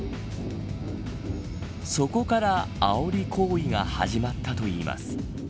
そこから、あおり行為が始まったといいます。